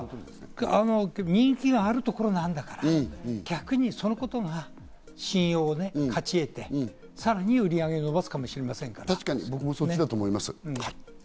人気があるところなんだから、逆にそのことが信用を勝ち得て、さらに売り上げを伸ばすかもしれ僕もそっちだと思います。